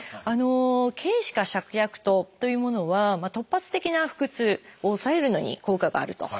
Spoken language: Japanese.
「桂枝加芍薬湯」というものは突発的な腹痛を抑えるのに効果があると。